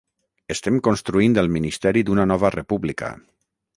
Estem construint el ministeri d’una nova república.